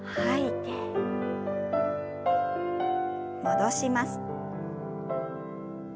戻します。